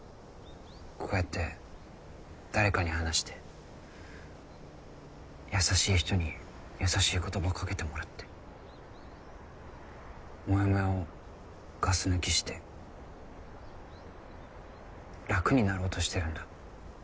こうやって誰かに話して優しい人に優しい言葉掛けてもらってもやもやをガス抜きして楽になろうとしてるんだ。